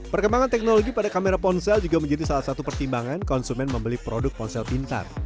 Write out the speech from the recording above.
perkembangan teknologi pada kamera ponsel juga menjadi salah satu pertimbangan konsumen membeli produk ponsel pintar